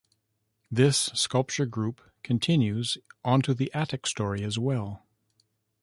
This sculpture group continues onto the attic story as well.